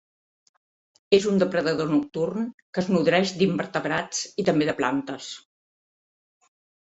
És un depredador nocturn que es nodreix d'invertebrats i, també, de plantes.